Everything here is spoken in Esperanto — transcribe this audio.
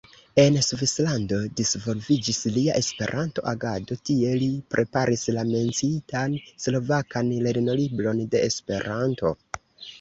En Svislando disvolviĝis lia Esperanto-agado, tie li preparis la menciitan slovakan lernolibron de Esperanto.